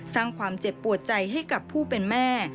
สร้างความเจ็บปวดใจให้กับผู้เป็นแม่